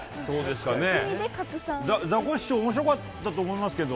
ザコシショウ面白かったと思いますけど。